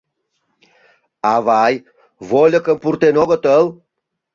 — Авай, вольыкым пуртен огытыл?